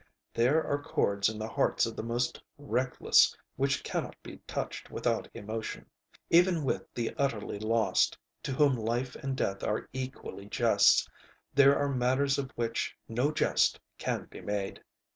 There are chords in the hearts of the most reckless which cannot be touched without emotion. Even with the utterly lost, to whom life and death are equally jests, there are matters of which no jest can be made.